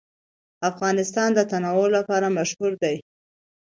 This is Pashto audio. افغانستان د تنوع لپاره مشهور دی.